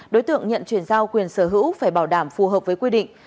đối tượng nhận chuyển giao quyền sở hữu phải bảo đảm phù hợp với quy định